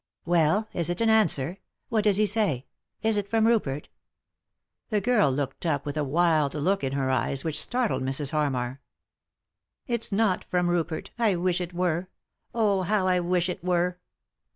" Well ? Is it an answer 7 What does he say ? Is it from Rupert ?" The girl looked up with a wild look in her eyes which startled Mrs. Harmar. " It's not from Rupert — I wish it were ; oh, how I wish it were."